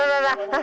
aduh aduh aduh